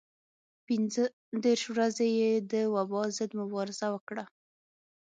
پنځه دېرش ورځې یې د وبا ضد مبارزه وکړه.